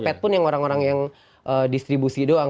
pet pun yang orang orang yang distribusi doang